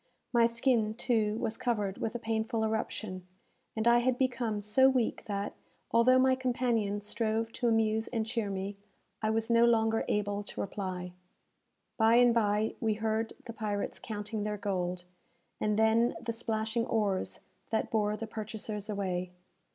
My skin, too, was covered with a painful eruption, and I had become so weak that, although my companion strove to amuse and cheer me, I was no longer able to reply. By and bye, we heard the pirates counting their gold, and then the splashing oars that bore the purchasers away.